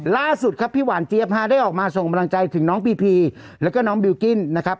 ล่าสุดครับพี่หวานเจี๊ยบฮะได้ออกมาส่งกำลังใจถึงน้องพีพีแล้วก็น้องบิลกิ้นนะครับ